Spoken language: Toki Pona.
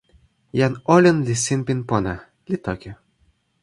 jan olin li sinpin pona, li toki: